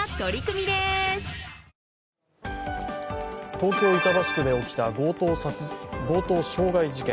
東京・板橋区で起きた強盗傷害事件。